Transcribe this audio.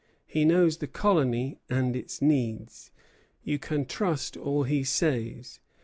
He knows the colony and its needs. You can trust all he says.